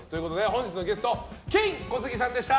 本日のゲストはケイン・コスギさんでした。